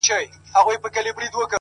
موږ د خپل انسانيت حيصه ورکړې!!